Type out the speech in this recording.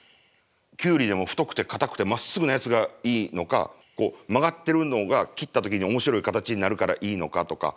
キュウリでも太くてかたくてまっすぐなやつがいいのか曲がってるのが切った時に面白い形になるからいいのかとか。